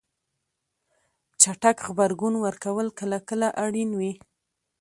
چټک غبرګون ورکول کله کله اړین وي.